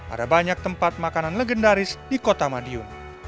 ada banyak tempat makanan legendaris di kota madiun